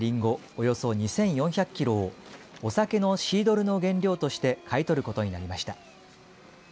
およそ２４００キロをお酒のシードルの原料として買い取ることになりました。